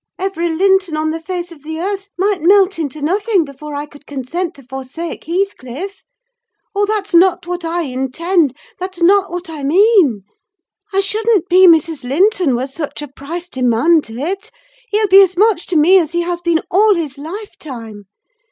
Every Linton on the face of the earth might melt into nothing before I could consent to forsake Heathcliff. Oh, that's not what I intend—that's not what I mean! I shouldn't be Mrs. Linton were such a price demanded! He'll be as much to me as he has been all his lifetime.